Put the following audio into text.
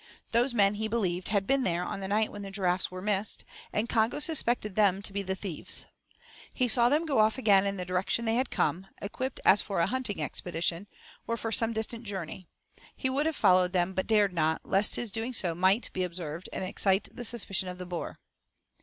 Those men, he believed, had been there on the night when the giraffes were missed, and Congo suspected them to be the thieves. He saw them go off again in the direction they had come, equipped as for a hunting expedition, or for some distant journey. He would have followed them, but dared not, lest his doing so might be observed and excite the suspicion of the boer.